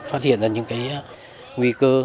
phát hiện ra những nguy cơ